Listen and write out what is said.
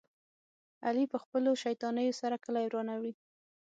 علي په خپلو شیطانیو سره کلي ورانوي.